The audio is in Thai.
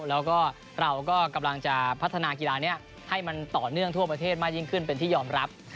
แล้วก็เราก็กำลังจะพัฒนากีฬานี้ให้มันต่อเนื่องทั่วประเทศมากยิ่งขึ้นเป็นที่ยอมรับ